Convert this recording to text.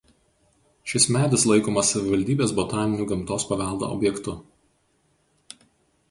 Šis medis laikomas savivaldybės botaniniu gamtos paveldo objektu.